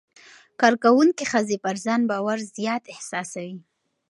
کارکوونکې ښځې پر ځان باور زیات احساسوي.